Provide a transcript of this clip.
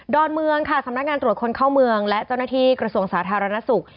อนเมืองค่ะสำนักงานตรวจคนเข้าเมืองและเจ้าหน้าที่กระทรวงสาธารณสุข